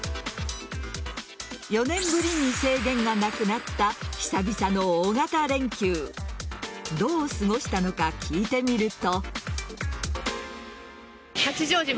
４年ぶりに制限がなくなった久々の大型連休どう過ごしたのか聞いてみると。